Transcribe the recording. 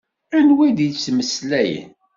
Anwa i d-yettmeslayen?